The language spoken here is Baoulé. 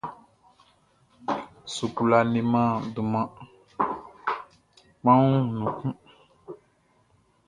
Sukula leman dunman kpanwun nun kun.